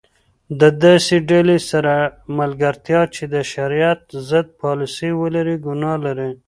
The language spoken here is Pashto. د داسي ډلي سره ملګرتیا چي د شرعیت ضد پالسي ولري؛ ګناه لري.